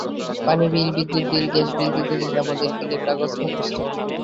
পানি বিল, বিদ্যুৎ bill, gas bill দিতে দিতে আমাদের বিলের কাগজ মুখস্থ।